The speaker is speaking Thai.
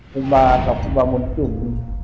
ครูบาครูบาบุญชุม